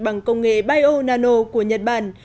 bằng công nghệ bio nano của nhật bản